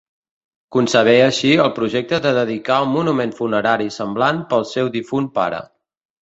Concebé així el projecte de dedicar un monument funerari semblant pel seu difunt pare.